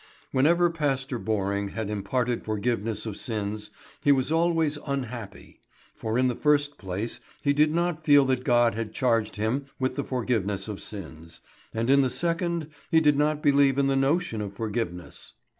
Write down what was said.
Whenever Pastor Borring had imparted forgiveness of sins he was always unhappy; for in the first place he did not feel that God had charged him with the forgiveness of sins, and in the second he did not believe in the notion of forgiveness.